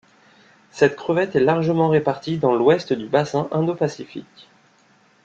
Cette crevette est largement répartie dans l'ouest du Bassin Indo-Pacifique.